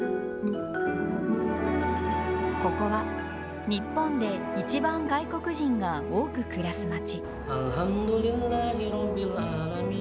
ここは日本でいちばん外国人が多く暮らす街。